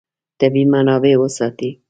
طبیعي منابع وساتئ.